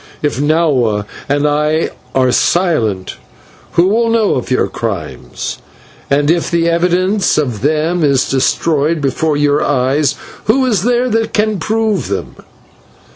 If Nahua and I are silent, who will know of your crimes? And if the evidence of them is destroyed before your eyes, who is there that can prove them?